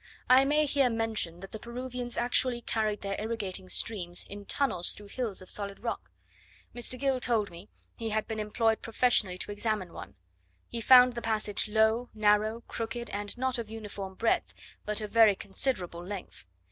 I may here mention, that the Peruvians actually carried their irrigating streams in tunnels through hills of solid rock. Mr. Gill told me, he had been employed professionally to examine one: he found the passage low, narrow, crooked, and not of uniform breadth, but of very considerable length.